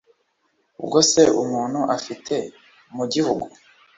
bwose umuntu afite mu gihugu